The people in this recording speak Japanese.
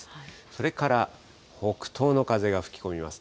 それから北東の風が吹き込みます。